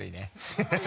ハハハ